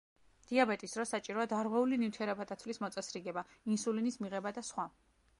დიაბეტის დროს საჭიროა დარღვეული ნივთიერებათა ცვლის მოწესრიგება, ინსულინის მიღება და სხვა.